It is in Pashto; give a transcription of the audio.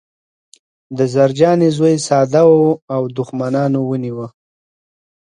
د زرجانې زوی ساده و او دښمنانو ونیوه